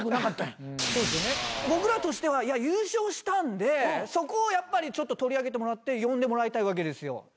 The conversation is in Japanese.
僕らとしては優勝したんでそこをやっぱり取り上げてもらって呼んでもらいたいわけですよ。